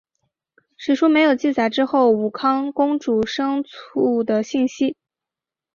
史书没有记载之后武康公主生卒的信息。